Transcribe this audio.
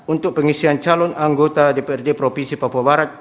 untuk pengisian calon anggota dprd provinsi papua barat